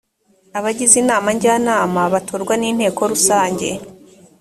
abagize inama njyanama batorwa ni inteko rusange